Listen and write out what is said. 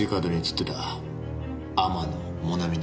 天野もなみだ。